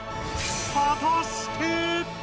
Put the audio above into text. はたして！